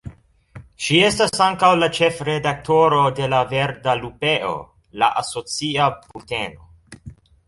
Ŝi estas ankaŭ la ĉefredaktoro de La Verda Lupeo, la asocia bulteno.